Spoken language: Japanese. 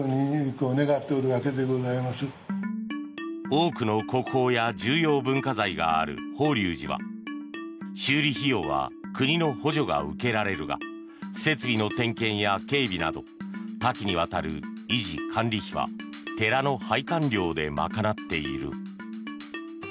多くの国宝や重要文化財がある法隆寺は修理費用は国の補助が受けられるが設備の点検や警備など多岐にわたる維持管理費は寺の拝観料で賄っている。